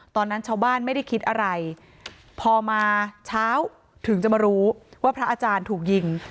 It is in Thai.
ตอนนั้นชาวบ้านไม่ได้คิดอะไรพอมาเช้าถึงจะมารู้ว่าพระอาจารย์ถูกยิง